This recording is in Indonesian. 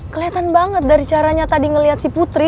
kelihatan banget dari caranya tadi ngeliat si putri